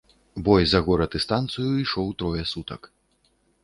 Бой за горад і станцыю ішоў трое сутак.